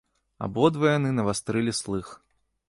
Абодва яны навастрылі слых.